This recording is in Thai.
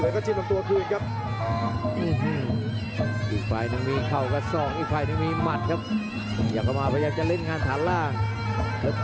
ย่างทุกศิษย์ให้ก็กดทีบกับตัวคลื่นครับ